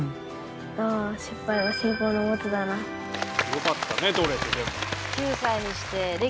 よかったね撮れてでも。